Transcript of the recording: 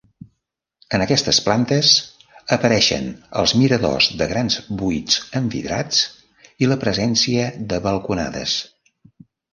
En aquestes plantes, apareixen els miradors de grans buits envidrats i la presència de balconades.